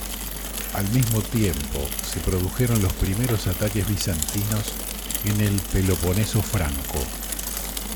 Al mismo tiempo, se produjeron los primeros ataques bizantinos en el Peloponeso franco.